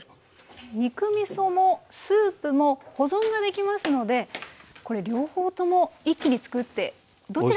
肉みそもスープも保存ができますのでこれ両方とも一気に作ってどちらの味も楽しめるということですね。